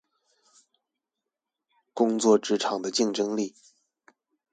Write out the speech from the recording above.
工作職場的競爭力